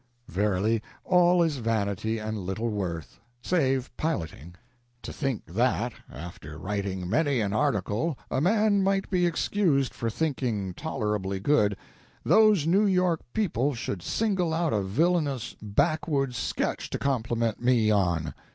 Verily, all is vanity and little worth save piloting. To think that, after writing many an article a man might be excused for thinking tolerably good, those New York people should single out a villainous backwoods sketch to compliment me on!